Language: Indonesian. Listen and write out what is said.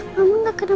mama gak kena benama